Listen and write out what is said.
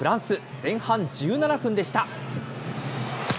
前半１７分でした。